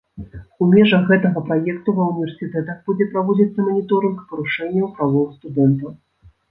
У межах гэтага праекту ва ўніверсітэтах будзе праводзіцца маніторынг парушэнняў правоў студэнтаў.